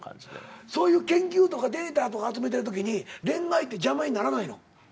そういう研究とかデータとか集めてるときに恋愛って邪魔にならないの？